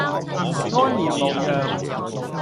安然無恙